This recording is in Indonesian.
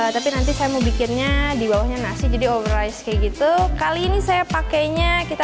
tapi nanti saya mau bikinnya dibawahnya nasi jadi overrize kayak gitu kali ini saya pakainya kita